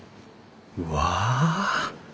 うわ！